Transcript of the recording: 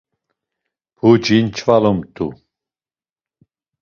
Puci nç̌valumt̆u.